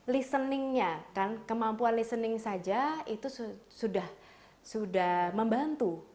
listeningnya kan kemampuan listening saja itu sudah membantu